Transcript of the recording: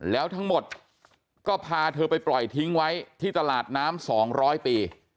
แล้วทั้งหมดก็พาเธอไปปล่อยทิ้งไว้ที่ตลาดน้ำ๒๐๐ปี